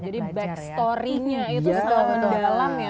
jadi back story nya itu sudah dalam ya